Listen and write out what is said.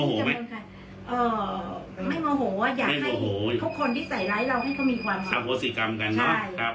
ทำโศกรรมกันเนอะ